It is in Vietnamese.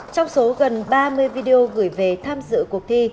trong số gần ba mươi video gửi về tham dự cuộc thi